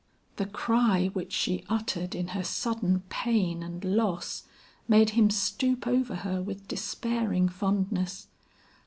The cry which she uttered in her sudden pain and loss made him stoop over her with despairing fondness.